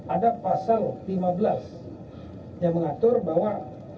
ada pasal lima belas yang mengatur bahwa